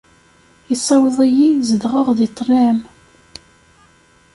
Issaweḍ-iyi zedɣeɣ di ṭṭlam.